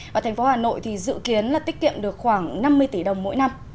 và thành phố hà nội thì dự kiến là tiết kiệm được khoảng năm mươi tỷ đồng mỗi năm